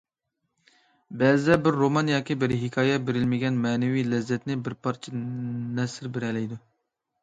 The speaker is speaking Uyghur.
بەزىدە بىر رومان ياكى بىر ھېكايە بېرەلمىگەن مەنىۋى لەززەتنى بىر پارچە نەسر بېرەلەيدۇ.